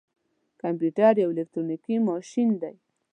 کمپيوټر يو اليکترونيکي ماشين دی.